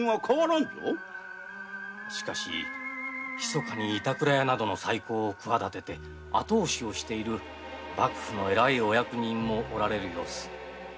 しかしひそかに板倉屋などの再興を企てて後押しをしている公儀のお役人もおられる様子決してご油断は。